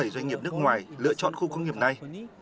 bảy doanh nghiệp nước ngoài lựa chọn khu công nghiệp này